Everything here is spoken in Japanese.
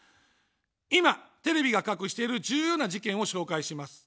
今、テレビが隠している重要な事件を紹介します。